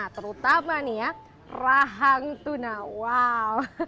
terutama rahang tuna wow